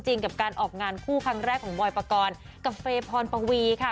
เกี่ยวกับการออกงานคู่ครั้งแรกของบอยประกอลกับเฟย์พรประวีค่ะ